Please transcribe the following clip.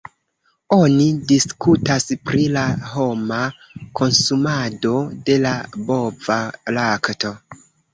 Oni diskutas pri la homa konsumado de la bova lakto.